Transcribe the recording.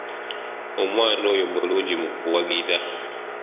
Omwana oyo mulungi mu kuwagira.